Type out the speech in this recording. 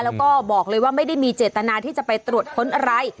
แล้วก็บอกเลยว่าไม่ได้มีเจตนาที่จะไปตรวจค้นอะไร